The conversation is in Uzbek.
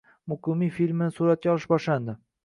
“Muqimiy” filmini suratga olish boshlandi